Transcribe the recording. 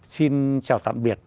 xin chào tạm biệt